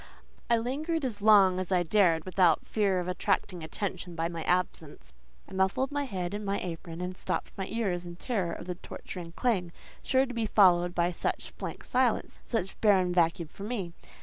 I lingered as long as I dared without fear of attracting attention by my absence. I muffled my head in my apron, and stopped my ears in terror of the torturing clang, sure to be followed by such blank silence, such barren vacuum for me.